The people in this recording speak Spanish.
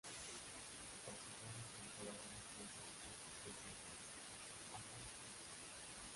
Tras jugar una temporada en este último club, fue transferido al Lyn Oslo.